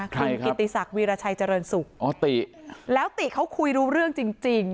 ใครครับกินตีศักดิ์วีรชัยเจริญสุขอ๋อตีแล้วตีเขาคุยรู้เรื่องจริงจริง